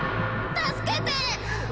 助けて！